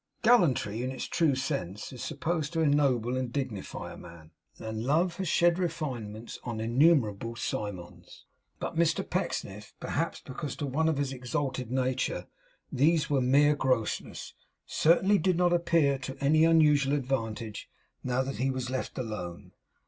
Gallantry in its true sense is supposed to ennoble and dignify a man; and love has shed refinements on innumerable Cymons. But Mr Pecksniff perhaps because to one of his exalted nature these were mere grossnesses certainly did not appear to any unusual advantage, now that he was left alone.